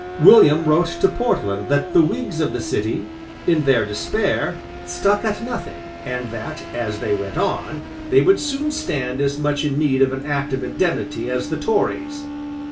William wrote to Portland that the Whigs of the City, in their despair, stuck at nothing, and that, as they went on, they would soon stand as much in need of an Act of Indemnity as the Tories.